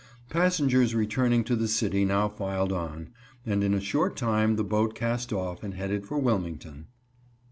Passengers returning to the city now filed on, and in a short time the boat cast off and headed for Wilmington.